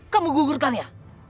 kamu gugurkan ya